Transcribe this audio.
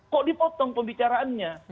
kok dipotong pembicaraannya